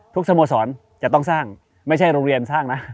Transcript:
สโมสรจะต้องสร้างไม่ใช่โรงเรียนสร้างนะ